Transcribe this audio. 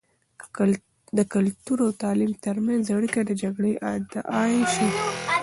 د کلتور او تعليم تر منځ اړیکه د جګړې ادعایی شې.